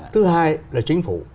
thứ hai là chính phủ